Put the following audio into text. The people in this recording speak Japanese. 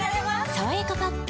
「さわやかパッド」